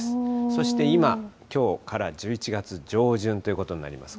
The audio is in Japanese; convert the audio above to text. そして今、きょうから１１月上旬ということになります。